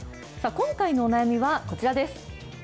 今回のお悩みはこちらです。